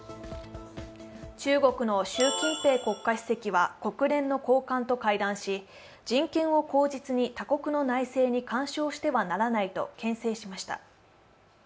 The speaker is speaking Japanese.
中国の習近平国家主席は国連の高官と会談し人権を口実に他国の内政に干渉してはならないとけん制しました。